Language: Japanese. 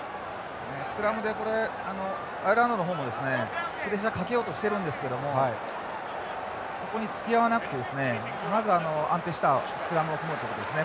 スクラムでこれアイルランドの方もですねプレッシャーかけようとしてるんですけどもそこにつきあわなくてまず安定したスクラムを組むってことですね。